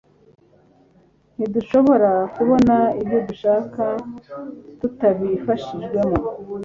Ntidushobora kubona ibyo dushaka tutabifashijwemo